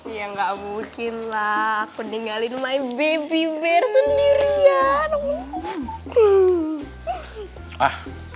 iya gak mungkin lah aku ninggalin my baby bear sendirian